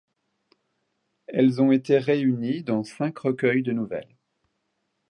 Elles ont été réunies dans cinq recueils de nouvelles.